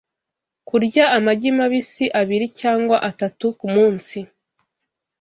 Kurya amagi mabisi abiri cyangwa atatu ku munsi